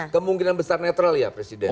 kemungkinan besar netral ya presiden